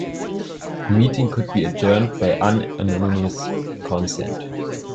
A meeting could be adjourned by unanimous consent.